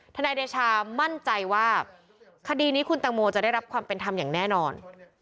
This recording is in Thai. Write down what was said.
นายเดชามั่นใจว่าคดีนี้คุณตังโมจะได้รับความเป็นธรรมอย่างแน่นอน